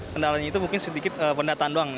kendalanya itu mungkin sedikit pendataan doang